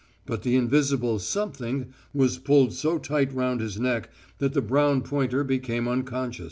But the invisible "something" was pulled so tight round his neck that the brown pointer became unconscious.